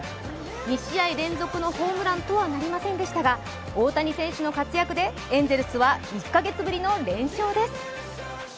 ２試合連続のホームランとはなりませんでしたが、大谷選手の活躍でエンゼルスは１カ月ぶりの連勝です。